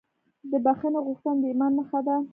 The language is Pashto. د بښنې غوښتنه د ایمان نښه ده.